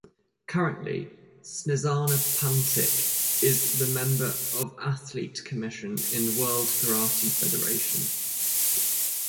Currently, Snezana Pantic is the member of Athlete Commission in World Karate Federation.